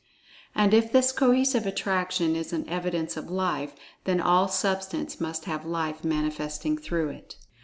And if this Cohesive Attraction is an evidence of Life, then all substance must have Life manifesting through it.